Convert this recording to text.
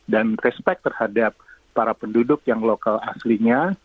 dan respect terhadap para penduduk yang lokal aslinya